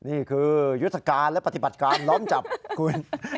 ยุทธการและปฏิบัติการล้อมจับคุณ